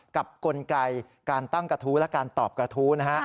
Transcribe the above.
กลไกการตั้งกระทู้และการตอบกระทู้นะฮะ